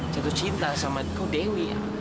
jatuh cinta sama kau dewi